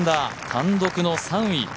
単独の３位。